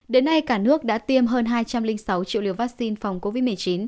đến nay cả nước đã tiêm hơn hai trăm linh sáu triệu liều vaccine phòng covid một mươi chín